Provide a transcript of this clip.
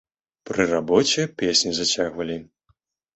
Пры рабоце песні зацягвалі.